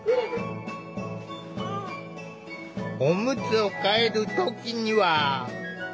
おむつを替える時には。